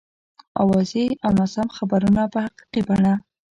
اوازې او ناسم خبرونه په حقیقي بڼه.